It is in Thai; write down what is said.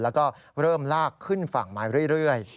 แล้วก็เริ่มลากขึ้นฝั่งมาเรื่อย